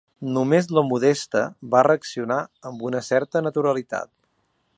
Només la Modesta va reaccionar amb una certa naturalitat.